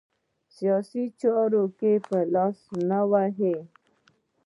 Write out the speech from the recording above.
سیاسي چارو کې به لاس نه وهي.